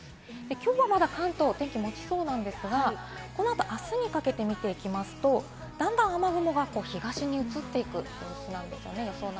きょうはまだ関東、天気もちそうなんですが、このあと明日にかけて見ていきますと、段々雨雲が東に移っていく予想なんですね。